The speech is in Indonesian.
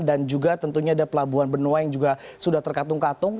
dan juga tentunya ada pelabuhan benua yang juga sudah terkatung katung